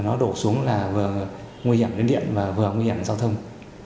nó đổ xuống là vừa nguy hiểm đến điện và vừa nguy hiểm giao thông